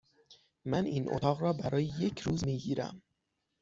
من این اتاق را برای یک روز می گیرم.